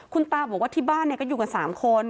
คุณตาบอกว่าที่บ้านก็อยู่กัน๓คน